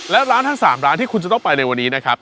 และร้านทั้ง๓ร้านที่คุณจะต้องไปในวันนี้นะครับ